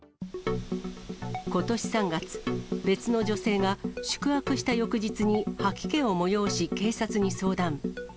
ことし３月、別の女性が、宿泊した翌日に吐き気をもよおし警察に相談。